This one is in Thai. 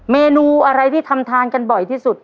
เมนูอะไรที่ทำทานกันบ่อยที่สุด